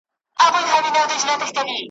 په مفهوم یې هم ځکه نه پوهیږم ,